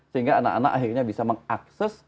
sehingga anak anak akhirnya bisa mengakses